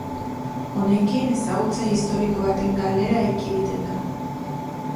Honekin, ezagutza historiko baten galera ekiditen da.